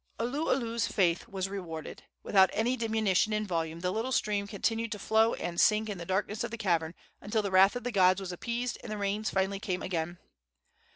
Oluolu's faith was rewarded. Without any diminution in volume the little stream continued to flow and sink in the darkness of the cavern until the wrath of the gods was appeased and the rains finally came again.